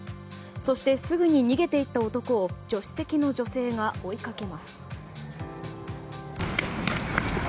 そして、すぐに逃げて行った男を助手席の女性が追いかけます。